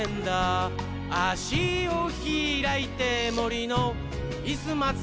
「あしをひらいてもりのイスまつ」